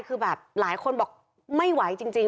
คือแบบหลายคนบอกไม่ไหวจริง